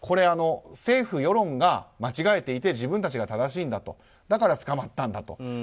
政府、世論が間違えていて自分たちが正しいんだとだから捕まったんだと。